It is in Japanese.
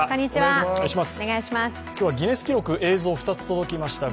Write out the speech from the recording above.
今日はギネス記録映像２つ届きました。